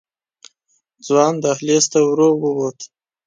ځوان دهلېز ته ورو ووت.